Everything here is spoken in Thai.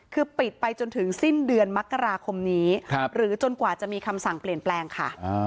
คือปิดไปจนถึงสิ้นเดือนมกราคมนี้หรือจนกว่าจะมีคำสั่งเปลี่ยนแปลงค่ะ